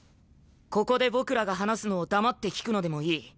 ここで僕らが話すのを黙って聞くのでもいい。